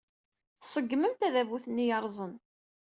Tṣeggmem tadabut-nni yerrẓen.